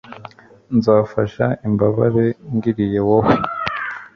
nzafasha imbabare ngiriye wowe